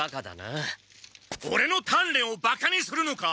オレの鍛錬をバカにするのか！？